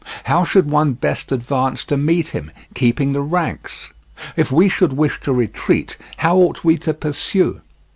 How should one best advance to meet him, keeping the ranks? If we should wish to retreat, how ought we to pursue?"